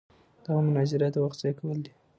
دغه مناظره د وخت ضایع کول دي.